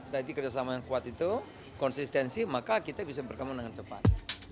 jadi kerjasama yang kuat itu konsistensi maka kita bisa berkembang dengan cepat